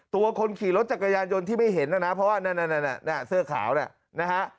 ตัวคนขี่รถจักรยานยนต์ที่ไม่เห็นนะนะเพราะว่านั่นน่ะเสื้อขาวเนี่ยนะฮะ